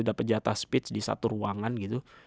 dapat jatah speech di satu ruangan gitu